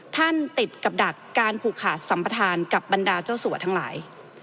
ติดกับดักการผูกขาดสัมประธานกับบรรดาเจ้าสัวทั้งหลาย